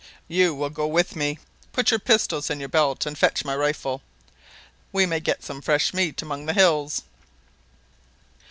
You will go with me. Put your pistols in your belt, and fetch my rifle. We may get some fresh meat among the hills."